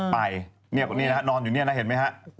ไปนี่นะฮะนอนอยู่นี่นะเห็นไหมฮะ